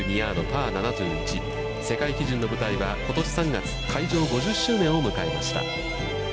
世界基準の舞台は、ことし３月、開場５０周年を迎えました。